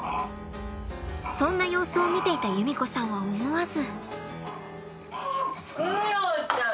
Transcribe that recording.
そんな様子を見ていた由実子さんは思わず。